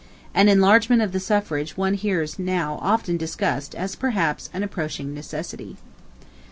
An enlargement of the suffrage one hears now often discussed as, perhaps, an approaching necessity.